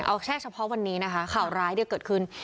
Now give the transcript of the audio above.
เอาแค่เฉพาะวันนี้นะคะข่าวร้ายเกิดขึ้น